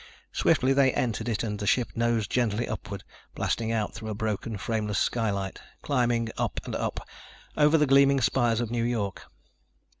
Swiftly they entered it and the ship nosed gently upward, blasting out through a broken, frameless skylight, climbing up and up, over the gleaming spires of New York.